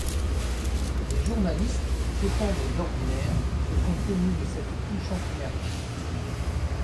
Des journalistes, peu tendres d'ordinaire, se sont émus de cette touchante merveille.